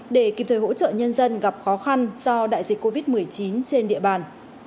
để kịp thời hỗ trợ nhân dân gặp khó khăn do đại dịch covid một mươi chín trên địa bàn